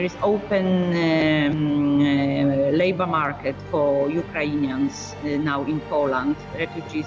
pada saat ini ada pasar pekerjaan yang terbuka untuk warga ukraina di polandia